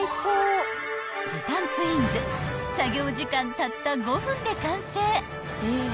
［時短ツインズ作業時間たった５分で完成］